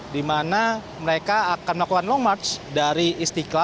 dimana mereka akan melakukan long march dari istiqlal